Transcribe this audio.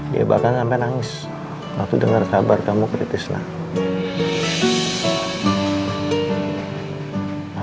dia bahkan sampe nangis waktu denger kabar kamu kritis nak